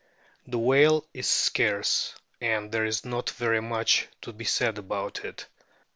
The whale is scarce, and there is not very much to be said about it.